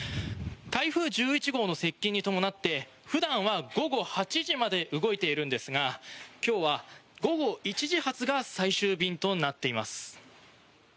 台風１１号の接近に伴って普段は午後８時まで動いているんですが今日は午後１時発が最終便となっています。